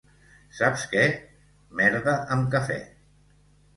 Saps què? —Merda amb cafè.